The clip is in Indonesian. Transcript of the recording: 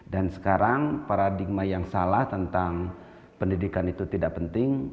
dan sekarang paradigma yang salah tentang pendidikan itu tidak penting